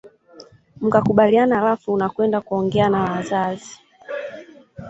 Mkakubaliana halafu unakwenda kuongea na wazazi